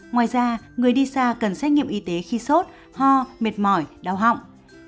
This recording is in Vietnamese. ngoài ra người đi xa cần xét nghiệm y tế khi sốt ho mệt mỏi đau họng